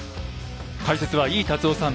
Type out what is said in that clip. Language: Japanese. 解説は井伊達夫さん